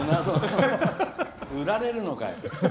売られるのかよ。